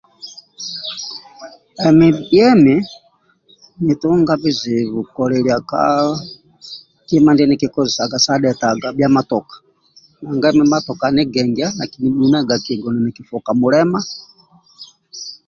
Emi bhia emi nitunga bizibu kolilia ka kima ndie nikikozesaga ka dhetaga bhia matoka nanga emi matoka ani gengya nakinibhunaga kigu nini kifoka mulema